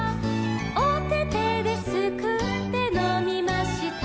「おててですくってのみました」